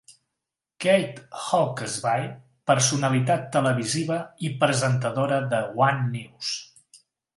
Kate Hawkesby, personalitat televisiva i presentadora de One News.